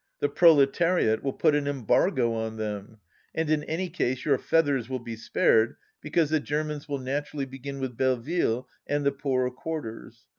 The proletariat will put an embargo on them. And in any case your feathers will be spared, because the Germans will naturally begin with Belleville and the poorer quarters.